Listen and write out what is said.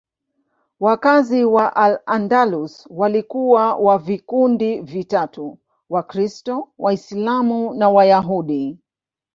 Wakazi wa Al-Andalus walikuwa wa vikundi vitatu: Wakristo, Waislamu na Wayahudi.